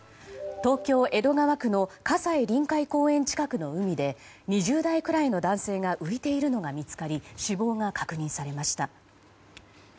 東京・江戸川区の葛西臨海公園近くの海で２０代くらいの男性が浮いているのが見つかり死亡が確認されました。